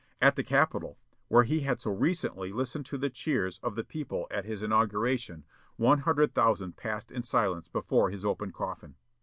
At the Capitol, where he had so recently listened to the cheers of the people at his inauguration, one hundred thousand passed in silence before his open coffin.